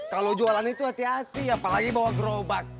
kalau jualan itu hati hati apalagi bawa gerobak